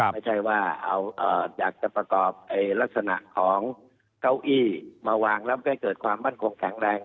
ไม่ใช่ว่าอยากจะประกอบลักษณะของเก้าอี้มาวางแล้วก็ให้เกิดความมั่นคงแข็งแรง